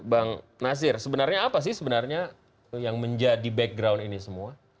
bang nasir sebenarnya apa sih sebenarnya yang menjadi background ini semua